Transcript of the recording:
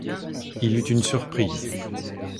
Il eut une surprise.